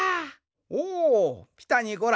おおピタにゴラ。